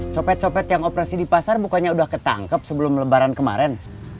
copet copet yang operasi di pasar bukannya sudah ketangkep sebelum lebaran kemarin